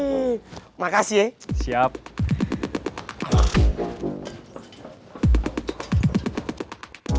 nadif mau kasih informasi penting apa sih ke rifki